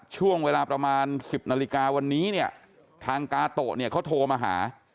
ช่วงเวลาประมาณ๑๐นาฬิกาวันนี้ทางกาโตะเขาโทรมาหา